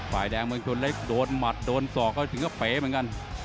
ฝ่ายแดงเมืองชนเล็กโดนหมัดโดนศอกเขาถึงก็เป๋เหมือนกัน